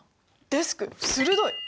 デスク鋭い！